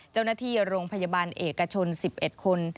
เจ้าหน้าที่โรงพยาบาลเอกชน๑๑คน